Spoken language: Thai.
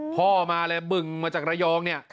พ่อมาเลยบึงมาจากระยอง